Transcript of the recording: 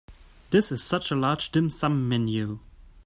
This is such a large dim sum menu.